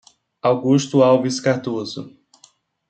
Augusto Alves Cardoso